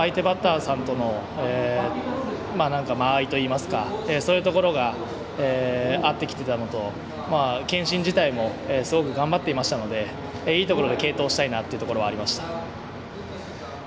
相手バッターさんとの間合いといいますかそういうところが合ってきていたのと建伸自体もすごく頑張っていましたのですごく頑張っていましたのでいいところで系統したいなというところがありました。